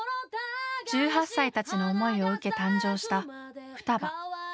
１８歳たちの思いを受け誕生した「双葉」。